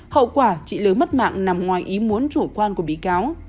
hậu quả trị lỡ mất mạng nằm ngoài ý muốn chủ quan của bị cáo